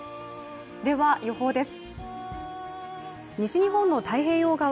では予報です。